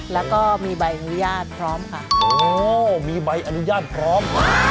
แล้วก็มีใบอนุญาตพร้อมค่ะโอ้มีใบอนุญาตพร้อม